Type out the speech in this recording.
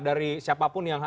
dari siapapun yang hadir